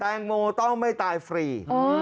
แตงโมต้องไม่ตายฟรี